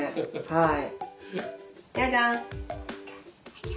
はい。